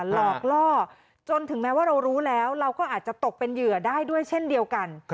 หลอกล่อจนถึงแม้ว่าเรารู้แล้วเราก็อาจจะตกเป็นเหยื่อได้ด้วยเช่นเดียวกัน